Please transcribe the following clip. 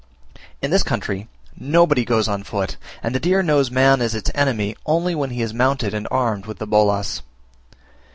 In this country nobody goes on foot, and the deer knows man as its enemy only when he is mounted and armed with the bolas.